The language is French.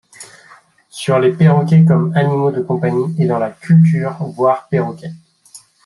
Sur les perroquets comme animaux de compagnie et dans la culture, voir perroquet.